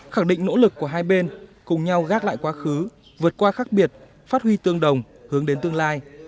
khẳng định nỗ lực của hai bên cùng nhau gác lại quá khứ vượt qua khác biệt phát huy tương đồng hướng đến tương lai